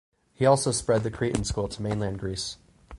He also spread the Cretan School to mainland Greece.